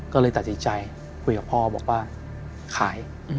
ก็เลยตัดสินใจคุยกับพ่อบอกว่าขาย